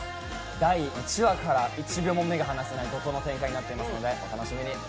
第１話から１秒も目が離せない怒とうの展開になってますのでお楽しみに。